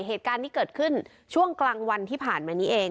เหตุการณ์ที่เกิดขึ้นช่วงกลางวันที่ผ่านมานี้เอง